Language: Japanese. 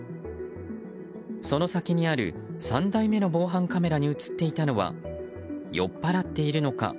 その先にある３台目の防犯カメラに映っていたのは酔っぱらっているのか